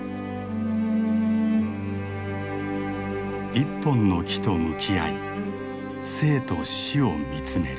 一本の木と向き合い生と死を見つめる。